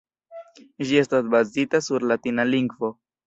Ĝi estas bazita sur latina lingvo.